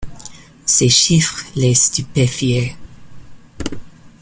Ces chiffres les stupéfiaient.